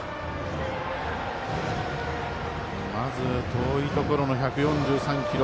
まず遠いところの１４３キロ。